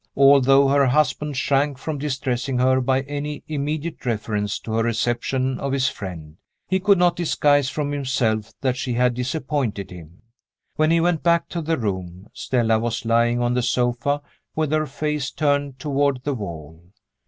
Although her husband shrank from distressing her by any immediate reference to her reception of his friend, he could not disguise from himself that she had disappointed him. When he went back to the room, Stella was lying on the sofa with her face turned toward the wall.